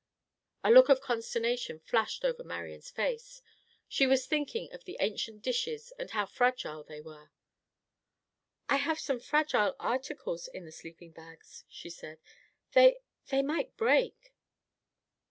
A look of consternation flashed over Marian's face. She was thinking of the ancient dishes and how fragile they were. "I have some fragile articles in the sleeping bags," she said. "They—they might break!"